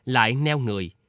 lại neo người